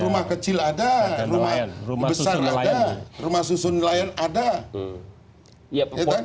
rumah kecil ada rumah besar ada rumah susun nelayan ada